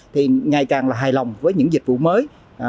thì ngày càng là hài lòng với những dịch vụ mới